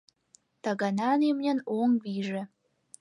Таганан имньын оҥ вийже.